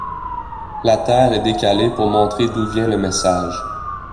La Terre est décalée pour montrer d’où vient le message.